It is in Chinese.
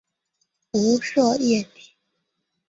无色液体。